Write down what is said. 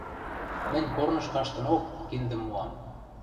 Мӹнь корныш каштынок, киндӹм моам.